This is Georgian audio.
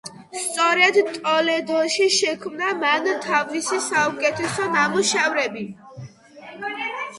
სწორედ ტოლედოში შექმნა მან თავისი საუკეთესო ნამუშევრები.